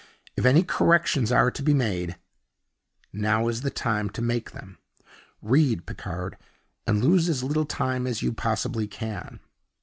If any corrections are to be made, now is the time to make them. Read, Picard, and lose as little time as you possibly can."